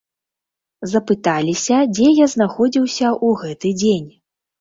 Запыталіся, дзе я знаходзіўся ў гэты дзень.